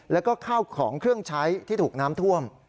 แล้วก็ข้าวของเครื่องใช้ที่ถูกน้ำท่วม